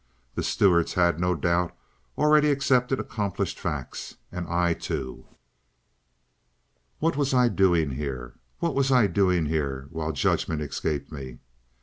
The Stuarts had, no doubt, already accepted accomplished facts. And I too— What was I doing here? What was I doing here while judgment escaped me?